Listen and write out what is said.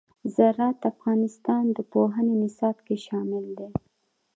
زراعت د افغانستان د پوهنې نصاب کې شامل دي.